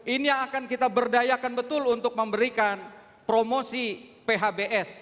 ini yang akan kita berdayakan betul untuk memberikan promosi phbs